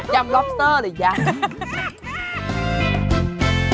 ำล็อบสเตอร์หรือยัง